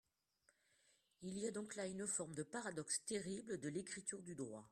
Il y a donc là une forme de paradoxe terrible de l’écriture du droit.